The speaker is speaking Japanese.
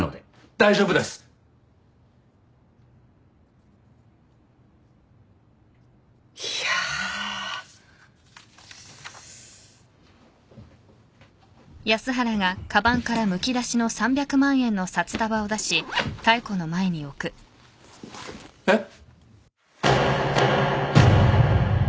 大丈夫です！いや。えっ？